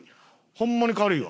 ホンマに軽いわ。